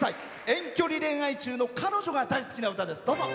遠距離恋愛中の彼女が大好きな歌です。